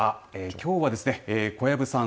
きょうはですね小籔さん